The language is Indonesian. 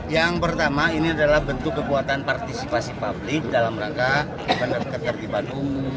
yang pertama ini adalah bentuk kekuatan partisipasi publik dalam rangka penergetan di bandung